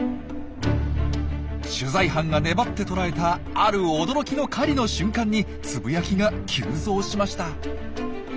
取材班が粘ってとらえたある驚きの狩りの瞬間につぶやきが急増しました。